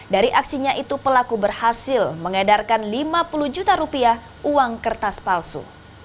dari aksinya itu pelaku berhasil mengedarkan lima puluh juta rupiah uang kertas palsu